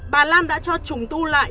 bà lan đã cho trùng tu lại